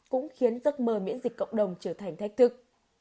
cũng khiến giấc mơ miễn dịch cộng đồng trở thành thách thức